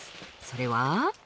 それは。